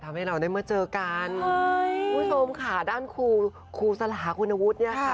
ทำให้เราได้มาเจอกันคุณผู้ชมค่ะด้านครูครูสลาคุณวุฒิเนี่ยค่ะ